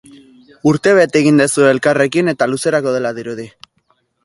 Urtebete egin duzue elkarrekin eta luzerako dela dirudi.